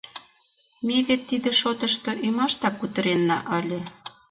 Ме вет тиде шотышто ӱмаштак кутыренна ыле.